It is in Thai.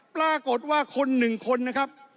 ปรากฏว่าคน๑คนนะครับ